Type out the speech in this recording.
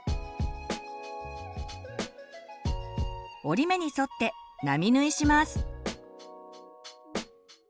折り目に沿って並縫いします。